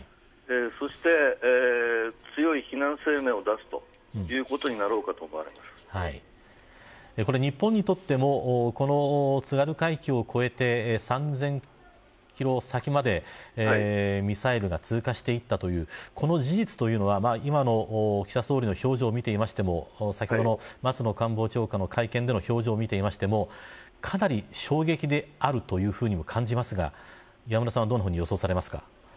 そして強い非難声明を出すということにこの日本にとっても津軽海峡を越えて３０００キロ先までミサイルが通過していったというこの事実というのは今の岸田総理の表情を見ていても先ほどの松野官房長官の会見の表情を見ていてもかなり衝撃であるというふうにも感じますが磐村さんはどんなふうに予想されますか。